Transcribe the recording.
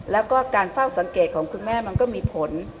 แล้วก็การเฝ้าสังเกตของคุณแม่มันก็มีผล